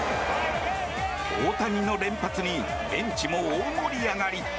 大谷の連発にベンチも大盛り上がり。